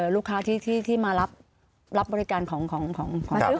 ลูกค้าที่มารับบริการของพอซื้อ